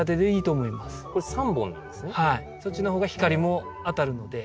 そっちのほうが光も当たるので。